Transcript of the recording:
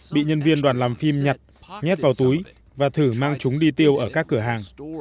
bị nhân viên đoàn làm phim nhặt nhét vào túi và thử mang chúng đi tiêu ở các cửa hàng